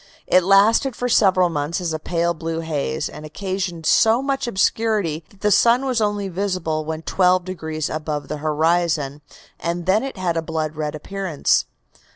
It lasted for several months as a pale blue haze, and occasioned so much obscurity that the sun was only visible when twelve degrees above the horizon, and then it had a blood red appearance.